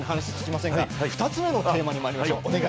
２つ目のテーマにまいりましょう。